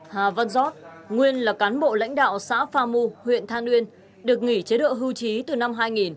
hà văn giót nguyên là cán bộ lãnh đạo xã pha mu huyện than uyên được nghỉ chế độ hưu trí từ năm hai nghìn